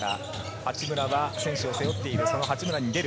八村は選手を背負っている。